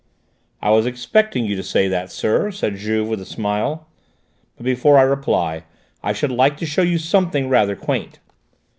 "I was expecting you to say that, sir," said Juve with a smile. "But before I reply I should like to show you something rather quaint."